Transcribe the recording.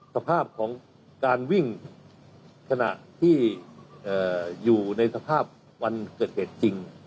สภาพของการวิ่งขณะที่อยู่ในสภาพวันเกิดเหตุจริง